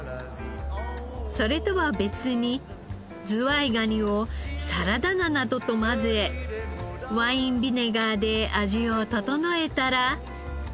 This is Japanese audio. それとは別にズワイガニをサラダ菜などと混ぜワインビネガーで味を調えたら。